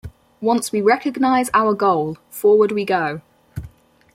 Once we recognize our goal, forward we go!